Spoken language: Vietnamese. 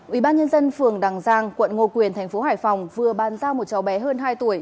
ủy ban nhân dân phường đăng giang quận ngô quyền tp hải phòng vừa ban giao một cháu bé hơn hai tuổi